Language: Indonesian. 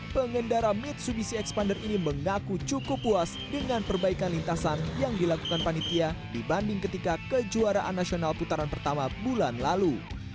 pengendara mitsubishi expander ini mengaku cukup puas dengan perbaikan lintasan yang dilakukan panitia dibanding ketika kejuaraan nasional putaran pertama bulan lalu